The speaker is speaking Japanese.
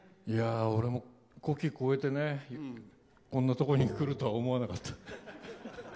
俺も古希超えてこんなところに来ると思わなかった。